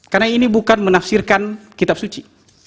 karena ini bukan menafsirkan kitab suci